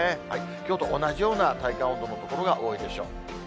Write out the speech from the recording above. きょうと同じような体感温度の所が多いでしょう。